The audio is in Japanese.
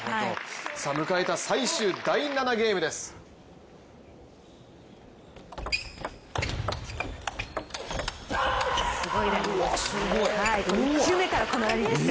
迎えた最終第７ゲームです。